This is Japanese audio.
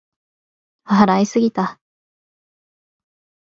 笑いすぎた